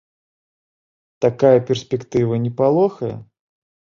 Такая перспектыва не палохае?